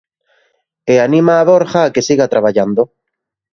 E anima a Borja a que siga traballando.